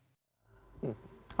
oke bang irwan ini